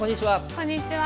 こんにちは。